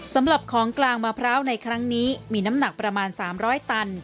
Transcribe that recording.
สำหรับของกลางมะพร้าวในครั้งนี้มีน้ำหนักประมาณ๓๐๐ตัน